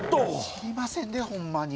知りませんでホンマに。